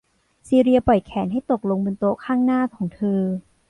ซีเลียปล่อยแขนให้ตกลงบนโต๊ะข้างหน้าของเธอ